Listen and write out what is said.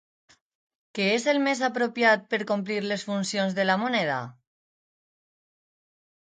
Què és el més apropiat per complir les funcions de la moneda?